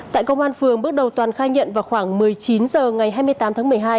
tại công an phường bước đầu toàn khai nhận vào khoảng một mươi chín h ngày hai mươi tám tháng một mươi hai